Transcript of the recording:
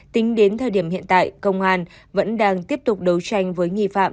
tính đến thời điểm hiện tại công an vẫn đang tiếp tục đấu tranh với nghi phạm